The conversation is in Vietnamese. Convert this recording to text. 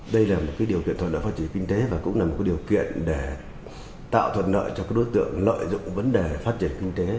đây là một điều kiện thuận lợi phát triển kinh tế và cũng là một điều kiện để tạo thuận lợi cho các đối tượng lợi dụng vấn đề phát triển kinh tế